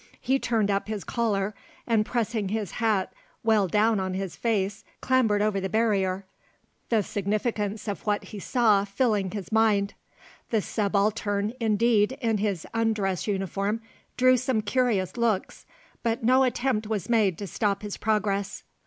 He turned up his collar and pressing his felt hat well down on his face clambered over the barrier, the significance of what he saw filling his mind; the Subaltern indeed in his undress uniform drew some curious looks, but no attempt was made to stop his progress.